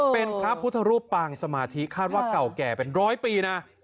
เป็นพระพุทธรูปปางสมาธิคาดว่าเก่าแก่เป็นร้อยปีนะ